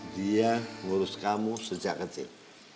dia mengurus kamu sejak kecil